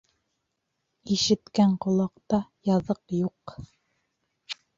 Ишеткән ҡолаҡта яҙыҡ юҡ.